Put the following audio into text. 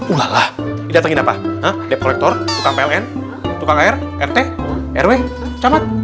wah lah didatengin apa dep kolektor tukang pln tukang air rt rw camat